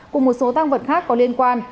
cùng một số tăng vật khác có liên quan